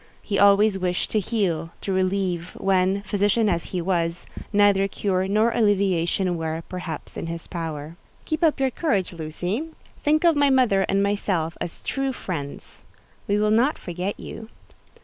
He always wished to heal—to relieve—when, physician as he was, neither cure nor alleviation were, perhaps, in his power. "Keep up your courage, Lucy. Think of my mother and myself as true friends. We will not forget you."